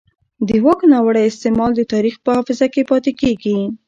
د واک ناوړه استعمال د تاریخ په حافظه کې پاتې کېږي